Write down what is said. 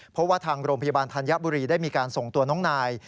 เพราะว่าทางโรงพยาบาลธัญบุรีได้มีการส่งตัวน้องนาย